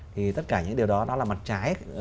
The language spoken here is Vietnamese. thì tất cả những điều đó là mặt trái